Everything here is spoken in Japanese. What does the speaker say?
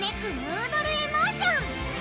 ヌードル・エモーション！